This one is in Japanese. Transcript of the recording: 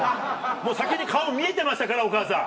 もう先に顔見えてましたからお母さん。